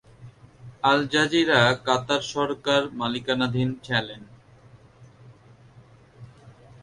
আল Jazeera Qatar সরকার মালিকানাধীন channel.